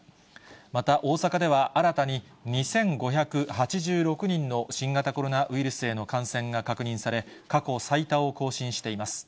また、大阪では新たに２５８６人の新型コロナウイルスへの感染が確認され、過去最多を更新しています。